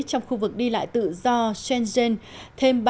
trong khu vực đi lại tự do shenzhen